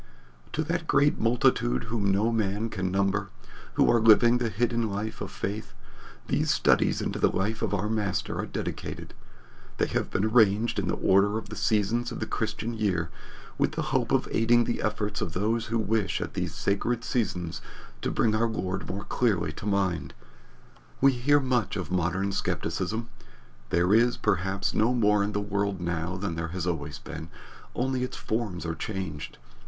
'" To that great multitude whom no man can number, who are living the hidden life of faith, these studies into the life of our Master are dedicated. They have been arranged in the order of the seasons of the Christian year, with the hope of aiding the efforts of those who wish at these sacred seasons to bring our Lord more clearly to mind. We hear much of modern skepticism. There is, perhaps, no more in the world now than there has always been, only its forms are changed.